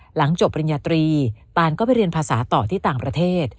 หลังจบปริญญาตรีตานก็ไปเรียนภาษาต่อที่ต่างประเทศ